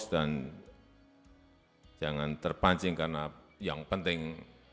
dan jangan terpancing karena yang penting